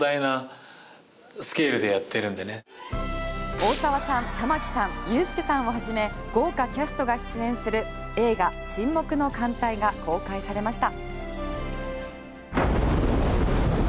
大沢さん、玉木さんユースケさんをはじめ豪華キャストが出演する映画「沈黙の艦隊」が公開されました。